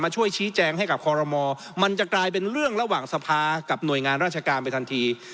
ช่วยชี้แจงให้กับคอรมอมันจะกลายเป็นเรื่องระหว่างสภากับหน่วยงานราชการไปทันที